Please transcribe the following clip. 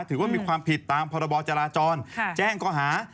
ถือว่ามีความผิดตามภาระบอจราจรใช่แจ้งก้อหา